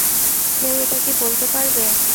কেউ এটা কী বলতে পারবে?